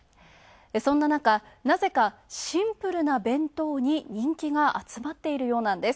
そんななか、なぜかシンプルな弁当に人気が集まっているようなんです。